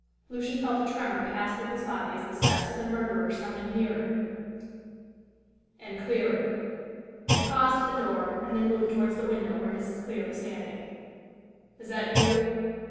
Lucian felt a tremor pass through his body as the steps of the murderer sounded nearer and clearer. They paused at the door, and then moved towards the window where Mrs. Clear was standing. "Is that you?"